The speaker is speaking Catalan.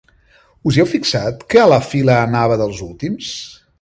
Us hi heu fixat, que a la fila anava dels últims?